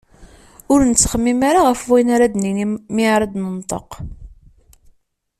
Ur nettxemmim ara ɣef wayen ara d-nini mi ara d-nenṭeq.